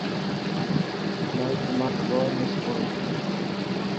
মই তোমাক বৰ মিছ কৰোঁ।